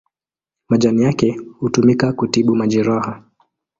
Majani yake hutumika kutibu majeraha.